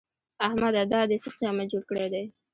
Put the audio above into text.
احمده! دا دې څه قيامت جوړ کړی دی؟